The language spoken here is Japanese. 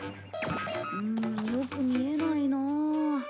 うんよく見えないなあ。